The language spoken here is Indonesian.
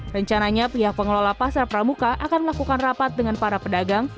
rencananya pihak pengelola pasar pramuka akan melakukan rapat dengan para pedagang